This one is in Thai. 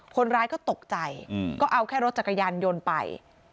คนร้ายก็ตกใจก็เอาแค่รถจักรยานยนต์ไป